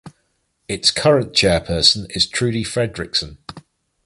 Its current chairperson is Trudy Fredriksson.